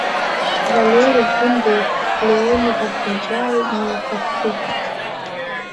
Валерик Гәынбеи Лионик Абӷаџьааи нихаххит.